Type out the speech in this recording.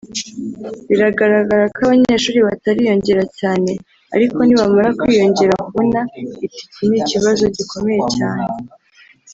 biragaragara ko abanyeshuri batariyongera cyane ariko nibamara kwiyongera kubona itiki ni ikibazo gikomeye cyane”